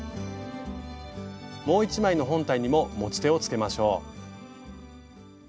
もう１枚の本体にも持ち手をつけましょう。